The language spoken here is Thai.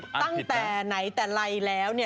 ตั้งแต่ไหนแต่ไรแล้วเนี่ย